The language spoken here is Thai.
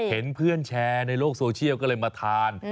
เห็นเพื่อนแชร์ในโลกโซเชียลก็เลยมาทาน